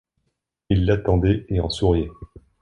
Ils l’attendaient et en souriaient.